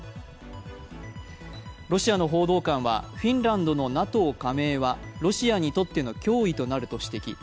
ロシアの報道官はフィンランドのＮＡＴＯ加盟はロシアにとっての脅威となると指摘。